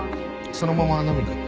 そのまま飲みに行く。